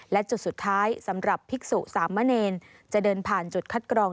และจุดสุดท้ายสำหรับภิกษุสามเณรจะเดินผ่านจุดคัดกรอง